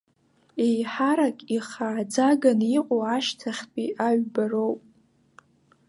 Еиҳарак ихааӡаганы иҟоу ашьҭахьтәи аҩба роуп.